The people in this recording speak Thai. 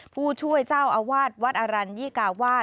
ผู้ช่วยเจ้าอาวาสวัดอรัญยิกาวาส